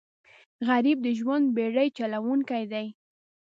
غریب د ژوند بېړۍ چلوونکی دی